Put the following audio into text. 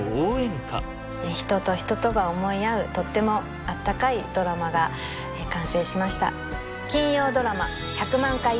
歌人と人とが思い合うとってもあったかいドラマが完成しました